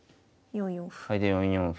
４四歩。